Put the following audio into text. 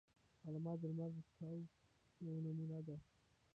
غرمه د لمر د تاو یوه نمونه ده